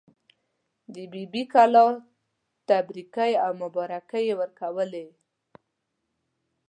د بي بي کلا تبریکې او مبارکۍ یې ورکولې.